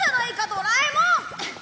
ドラえもん。